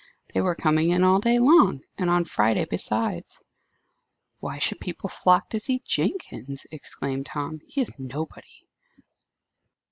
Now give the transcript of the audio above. They were coming in all day long; and on Friday besides." "Why should people flock to see Jenkins?" exclaimed Tom. "He is nobody."